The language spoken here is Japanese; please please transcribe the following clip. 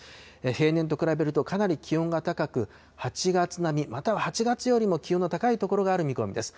平年と比べるとかなり気温が高く、８月並み、または８月よりも気温が高い所がある見込みです。